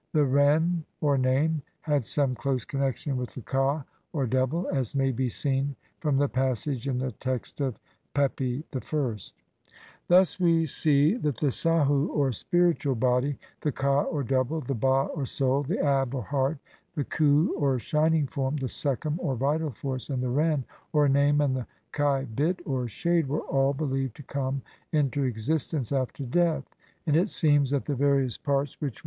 The ren, or name, had some close connexion with the ka, or double, as may be seen from the passage in the text of Pepi I. 3 Thus we see that the saku, or spiritual body, the ka, or double, the ba, or soul, the ab, or heart, the khu, or shining form, the sekhem, or vital force, and the ren, or name, and the khaibit, or shade, were all believed to come into existence after death, and it seems that the various parts which we have enumer i.